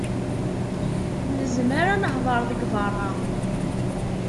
Nezmer ad nehder deg berra.